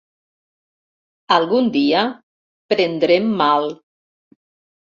Algun dia prendrem mal.